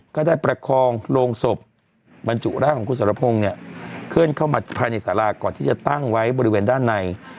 ก็ได้ประคองโรงศพบรรจุร่างของคุณสรพงศ์เนี่ยเคลื่อนเข้ามาภายในสาราก่อนที่จะตั้งไว้บริเวณด้านใน